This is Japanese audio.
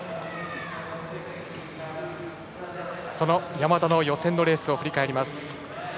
その山田の予選のレースを振り返ります。